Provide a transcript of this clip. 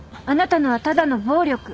あなたのはただの暴力。